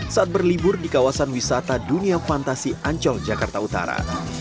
saat berlibur di kawasan wisata dunia fantasi ancol jakarta utara